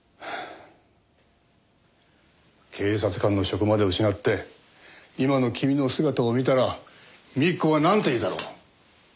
警察官の職まで失って今の君の姿を見たら幹子はなんと言うだろう。